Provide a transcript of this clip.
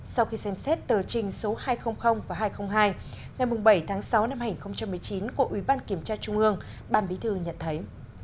sau khi xem xét tờ trình số hai trăm linh và hai trăm linh hai ngày bảy tháng sáu năm hai nghìn một mươi chín của ủy ban kiểm tra trung ương ban bí thư nhận thấy